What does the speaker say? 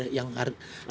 ada yang krusial